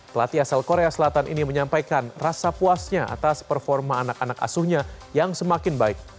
pelatih asal korea selatan ini menyampaikan rasa puasnya atas performa anak anak asuhnya yang semakin baik